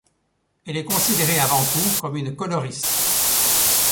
Elle est considérée avant tout comme une coloriste.